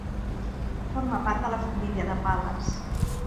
Forma part de la família de Pal·les.